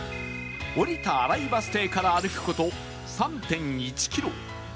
降りた新井バス停から歩く事 ３．１ キロ